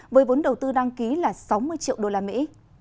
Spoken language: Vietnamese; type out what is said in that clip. với vốn đầu tư đăng ký là sáu mươi triệu đô la mỹ